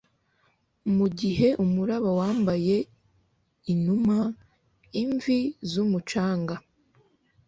mugihe umuraba wambaye inuma-imvi zumucanga